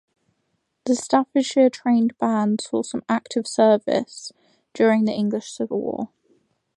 The Staffordshire Trained Bands saw some active service during the English Civil War.